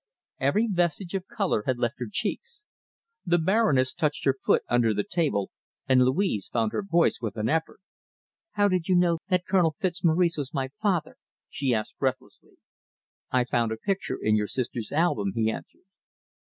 Every vestige of colour had left her cheeks. The Baroness touched her foot under the table, and Louise found her voice with an effort. "How did you know that Colonel Fitzmaurice was my father?" she asked breathlessly. "I found a picture in your sister's album," he answered.